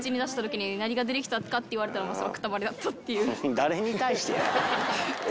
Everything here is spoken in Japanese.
誰に対してや？